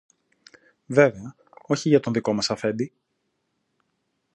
Βέβαια, όχι για το δικό μας αφέντη!